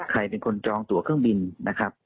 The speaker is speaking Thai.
ใครเป็นคนจองตัวเครื่องบินนะครับ